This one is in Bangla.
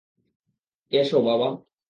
এসো, বাবা!